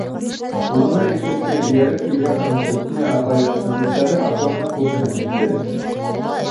Улына иптәшкә эйәреп килгән Анастасия апайҙың өмөттәре аҡлана күрһен инде.